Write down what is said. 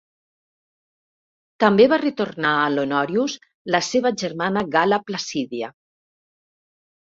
També va retornar a l"Honorius la seva germana Galla Placidia.